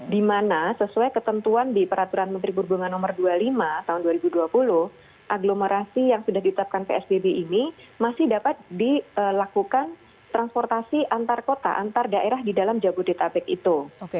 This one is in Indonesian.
di mana sesuai ketentuan di peraturan menteri perhubungan no dua puluh lima tahun dua ribu dua puluh aglomerasi yang sudah ditetapkan psbb ini masih dapat dilakukan transportasi antar kota antar daerah di dalam jabodetabek itu